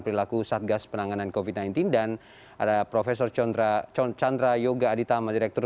pelaku satgas penanganan covid sembilan belas dan ada profesor chandra chandra yoga aditama direktur